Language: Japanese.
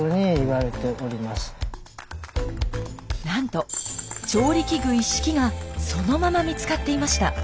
なんと調理器具一式がそのまま見つかっていました。